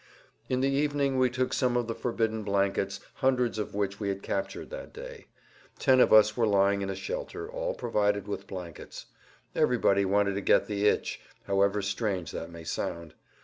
In the evening we took some of the forbidden blankets, hundreds of which we had captured that day. Ten of us were lying in a shelter, all provided with blankets. Everybody wanted to get the "itch," however strange that may sound.